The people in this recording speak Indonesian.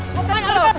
mau kemana lu